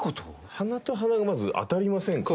鼻と鼻がまず当たりませんかね？